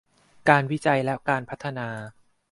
การวิจัยและการพัฒนา